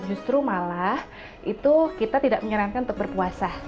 justru malah itu kita tidak menyarankan untuk berpuasa